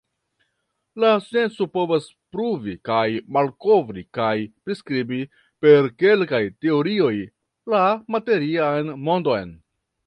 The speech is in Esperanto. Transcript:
La scienco povas pruvi kaj malkovri kaj priskribi per kelkaj teorioj la materian mondon.